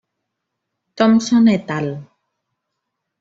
Thompson et al.